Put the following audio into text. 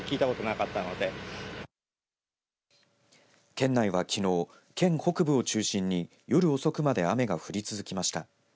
県内はきのう、県北部を中心に夜遅くまで雨が降り続きました。